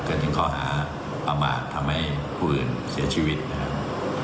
จนถึงข้อหาประมาททำให้ผู้อื่นเสียชีวิตนะครับ